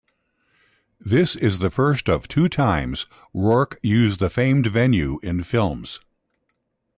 This is the first of two times Rourke used the famed venue in films.